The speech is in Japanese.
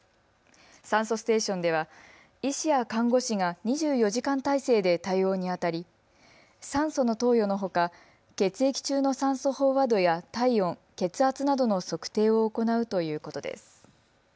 酸素ステーションでは医師や看護師が２４時間体制で対応にあたり酸素の投与のほか血液中の酸素飽和度や体温、血圧などの測定を行うということです。